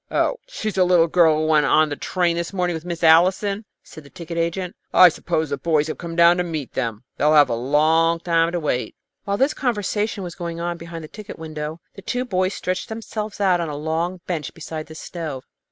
"Oh, she's the little girl who went in on the train this morning with Miss Allison," said the ticket agent. "I suppose the boys have come down to meet them. They'll have a long time to wait." While this conversation was going on behind the ticket window, the two boys stretched themselves out on a long bench beside the stove.